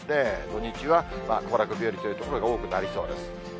土日は行楽日和という所が多くなりそうです。